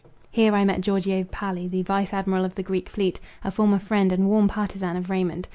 Here I met Georgio Palli, the vice admiral of the Greek fleet, a former friend and warm partizan of Raymond.